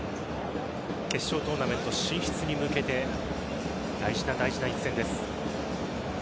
決勝トーナメント進出に向けて大事な大事な一戦です。